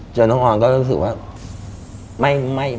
น้องออนก็รู้สึกว่า